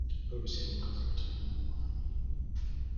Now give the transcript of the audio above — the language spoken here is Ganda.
Perusi yali mukazi nga talina mwami.